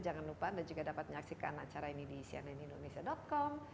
jangan lupa anda juga dapat menyaksikan acara ini di cnnindonesia com